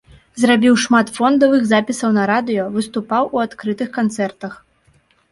Зрабіў шмат фондавых запісаў на радыё, выступаў у адкрытых канцэртах.